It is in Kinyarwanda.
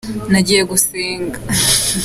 Nagiye gusenga.